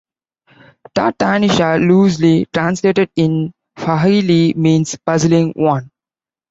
Ta-Tanisha loosely translated in Swahili means "Puzzling One".